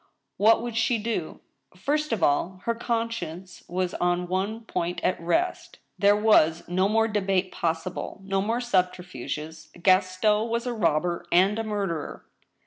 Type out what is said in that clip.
What would she do ? First of all, her conscience was on one point at rest. There was on more debate possible, no more subterfuges. Gaston was a rob ber and a murderer